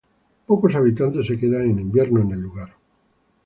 Pocos habitantes se quedan en invierno en el lugar.